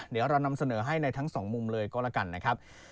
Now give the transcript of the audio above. เดี๋ยวเรานำเสนอให้ในทั้งสองมุมเลยก็แล้วกันนะครับ